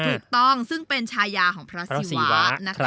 ถูกต้องซึ่งเป็นชายาของพระศิวะนะคะ